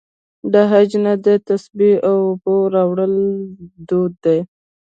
د حج نه د تسبیح او اوبو راوړل دود دی.